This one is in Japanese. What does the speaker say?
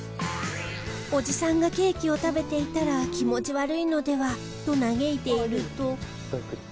おじさんがケーキを食べていたら気持ち悪いのではと嘆いていると。